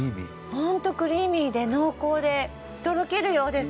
ホントクリーミーで濃厚でとろけるようです。